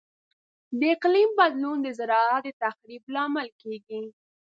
د اقلیم بدلون د زراعت د تخریب لامل کیږي.